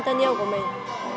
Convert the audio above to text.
thân yêu của mình